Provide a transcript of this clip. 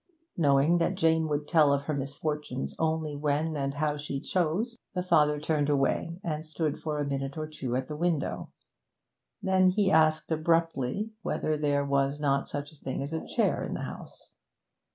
Knowing that Jane would tell of her misfortunes only when and how she chose, the father turned away and stood for a minute or two at the window; then he asked abruptly whether there was not such a thing as a chair in the house.